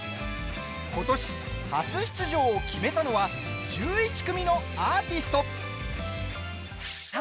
ことし初出場を決めたのは１１組のアーティスト。